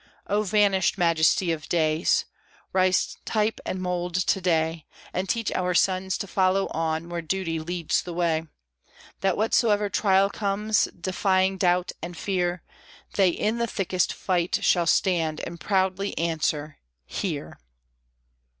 O vanished majesty of days! Rise, type and mould to day. And teach our sons to follow on where duty leads the way; That whatsoever trial comes, defying doubt and fear, They in the thickest fight shall stand and proudly answer, "_Here!